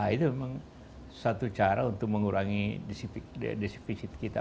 itu memang satu cara untuk mengurangi defisit kita